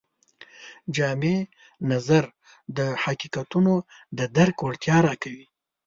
جامع نظر د حقیقتونو د درک وړتیا راکوي.